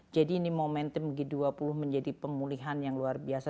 jadi ini momentum g dua puluh menjadi pemulihan yang luar biasa